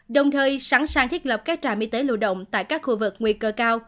đồng thời sẵn sàng thiết lập các trạm y tế lưu động tại các khu vực nguy cơ cao